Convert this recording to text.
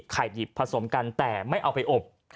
ดิบผสมกันแต่ไม่เอาไปอบ